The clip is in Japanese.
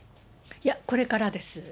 いや、これからです。